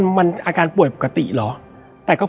และวันนี้แขกรับเชิญที่จะมาเชิญที่เรา